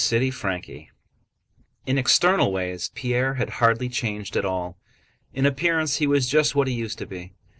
CHAPTER XIII In external ways Pierre had hardly changed at all. In appearance he was just what he used to be.